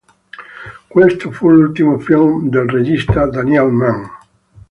Questo fu l'ultimo film del regista Daniel Mann.